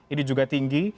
ini juga tinggi